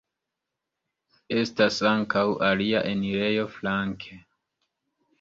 Estas ankaŭ alia enirejo flanke.